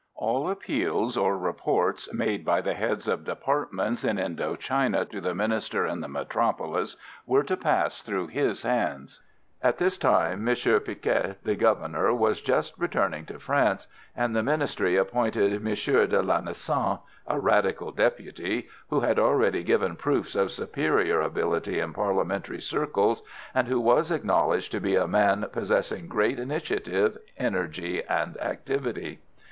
All appeals or reports made by the heads of departments in Indo China to the Minister in the metropolis were to pass through his hands. At this time M. Picquet, the Governor, was just returning to France, and the Ministry appointed M. de Lanessan, a Radical deputy, who had already given proofs of superior ability in Parliamentary circles, and who was acknowledged to be a man possessing great initiative energy and activity.